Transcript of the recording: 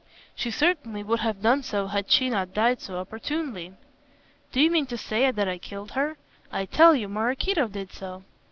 "She certainly would have done so had she not died so opportunely." "Do you mean to say that I killed her? I tell you, Maraquito did so."